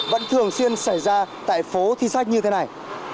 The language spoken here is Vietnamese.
vẫn thường xuyên xảy ra tại phố thi sách như thế này